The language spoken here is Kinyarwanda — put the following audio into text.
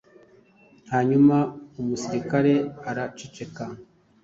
Hanyuma umusirikare araceceka